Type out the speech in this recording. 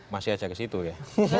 masih aja ke situ ya